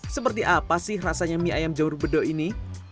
seperti apa sih rasanya mie ayam jamur bedo ini